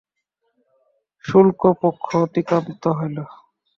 শুক্ল পক্ষ অতিক্রান্ত হইল।